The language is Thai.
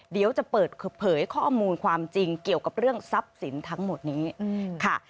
เดี๋ยวจะเปิดเผยข้อมูลความจริงเกี่ยวกับเรื่องทรัพย์สินทั้งหมดนี้ค่ะ